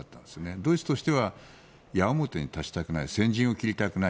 ドイツとしては矢面に立ちたくない先陣を切りたくない。